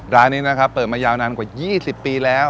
ร้านนี้นะครับเปิดมายาวนานกว่า๒๐ปีแล้ว